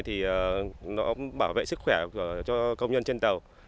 thì nó bảo vệ sức khỏe cho công nhân trên tàu